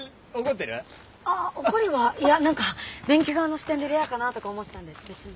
ああ怒りはいや何か便器側の視点でレアかなとか思ってたんで別に。